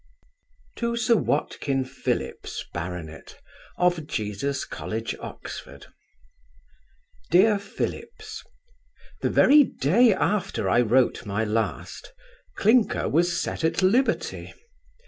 To Sir WATKIN PHILLIPS, Bart. of Jesus college, Oxon. DEAR PHILLIPS, The very day after I wrote my last, Clinker was set at liberty.